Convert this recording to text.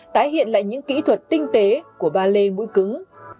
tái hiện lại những kỹ thuật tinh tế của ballet mũi cứng